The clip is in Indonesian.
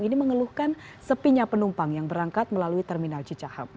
ini mengeluhkan sepinya penumpang yang berangkat melalui terminal cicahem